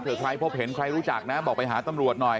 ใครพบเห็นใครรู้จักนะบอกไปหาตำรวจหน่อย